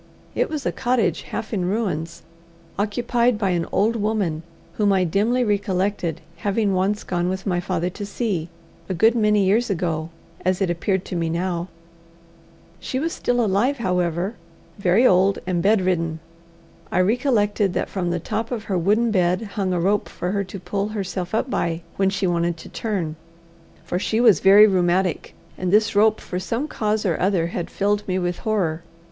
It was a cottage half in ruins, occupied by an old woman whom I dimly recollected having once gone with my father to see a good many years ago, as it appeared to me now. She was still alive, however, very old, and bedridden. I recollected that from the top of her wooden bed hung a rope for her to pull herself up by when she wanted to turn, for she was very rheumatic, and this rope for some cause or other had filled me with horror.